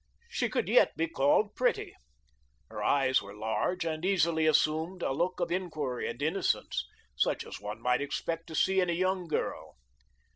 She could yet be called pretty. Her eyes were large and easily assumed a look of inquiry and innocence, such as one might expect to see in a young girl.